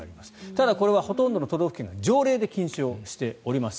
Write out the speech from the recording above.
ただ、これはほとんどの都道府県が条例で禁止をしております。